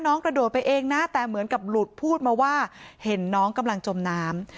กระโดดไปเองนะแต่เหมือนกับหลุดพูดมาว่าเห็นน้องกำลังจมน้ำ